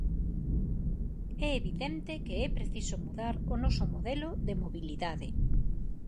É evidente que é preciso mudar o noso modelo de mobilidade.